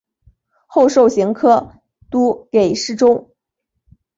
后授刑科都给事中。